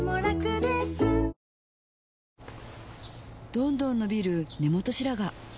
どんどん伸びる根元白髪